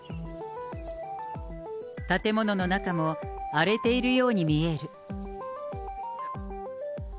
建物の中も、荒れているように見える。